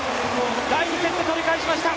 第２セット、取り返しました。